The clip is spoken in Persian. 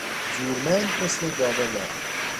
زورمند مثل گاو نر